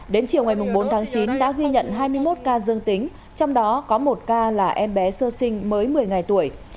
đến chiều ngày bốn tháng chín đã ghi nhận hai mươi một ca dương tính trong đó có một ca là em bé sơ sinh mới một mươi ngày tuổi